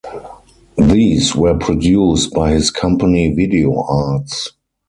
These were produced by his company Video Arts.